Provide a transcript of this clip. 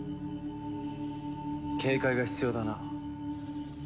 警戒が必要だな。